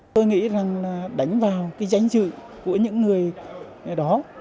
tôi nghĩ rằng là đánh vào cái danh dự của những người đó